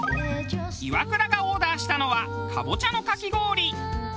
イワクラがオーダーしたのはカボチャのかき氷。